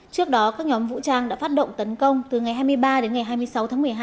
trước đó các nhóm vũ trang đã phát động tấn công từ ngày hai mươi ba đến ngày hai mươi sáu tháng một mươi hai